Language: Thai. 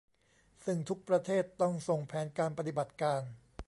ซึ่งทุกประเทศต้องส่งแผนปฏิบัติการ